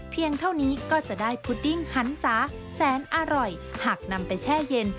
เท่านี้ก็จะได้พุดดิ้งหันศาแสนอร่อยหากนำไปแช่เย็น